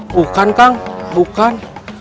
bukan kang bukan